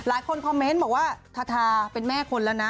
หลายคนคอมเมนต์บอกว่าธาธาเป็นแม่คนแล้วนะ